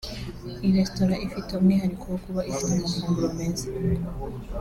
Iyi resitora ifite umwihariko wo kuba ifite amafunguro meza